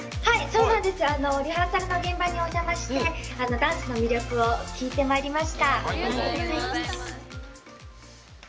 リハーサルの現場にお邪魔してダンスの魅力を聞いてまいりました。